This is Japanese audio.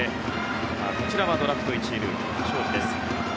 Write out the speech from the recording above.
こちらはドラフト１位ルーキー荘司です。